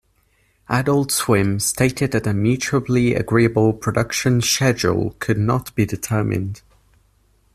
Adult Swim stated that a mutually agreeable production schedule could not be determined.